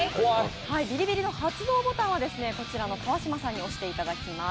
ビリビリの発動ボタンはこちらの川島さんに押していただきます。